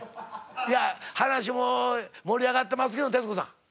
いや話も盛り上がってますけど徹子さん